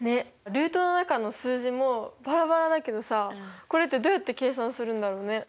ルートの中の数字もバラバラだけどさこれってどうやって計算するんだろうね？